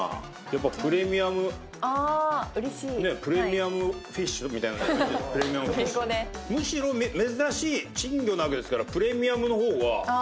やっぱプレミアムあ嬉しいねっプレミアムフィッシュみたいな英語でむしろ珍しい珍魚なわけですからプレミアムの方がああ